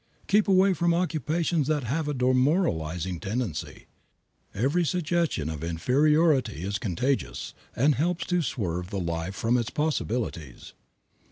Keep away from occupations that have a demoralizing tendency. Every suggestion of inferiority is contagious, and helps to swerve the life from its possibilities.